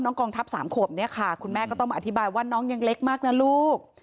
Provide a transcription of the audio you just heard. กองทัพ๓ขวบเนี่ยค่ะคุณแม่ก็ต้องมาอธิบายว่าน้องยังเล็กมากนะลูก